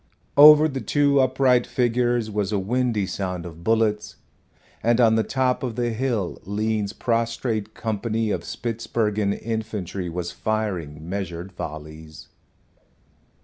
Over the two upright figures was a windy sound of bullets, and on the top of the hill Lean's prostrate company of Spitzbergen infantry was firing measured volleys.